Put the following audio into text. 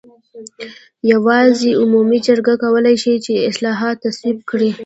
یوازې عمومي جرګه کولای شي چې اصلاحات تصویب کړي.